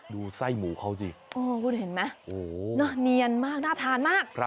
ดูไส้หมูเขาสิคุณเห็นไหมเนียนมากน่าทานมาก